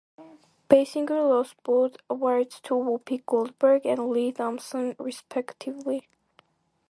Basinger lost both awards to Whoopi Goldberg and Lea Thompson respectively.